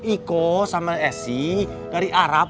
iko sama ese dari arab